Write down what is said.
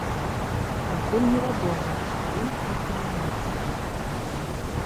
Пакуль невядома, што ім інкрымінуюць.